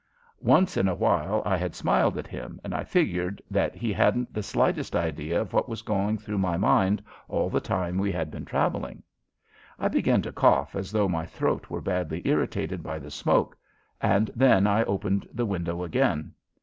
Once in a while I had smiled at him and I figured that he hadn't the slightest idea of what was going through my mind all the time we had been traveling. I began to cough as though my throat were badly irritated by the smoke, and then I opened the window again.